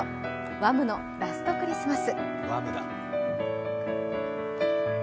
Ｗｈａｍ！の「ラスト・クリスマス」。